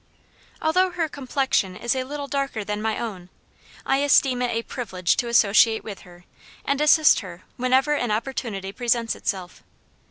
Although her complexion is a little darker than my own, I esteem it a privilege to associate with her, and assist her whenever an opportunity presents itself.